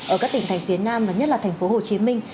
ở các tỉnh thành phía nam và nhất là thành phố hồ chí minh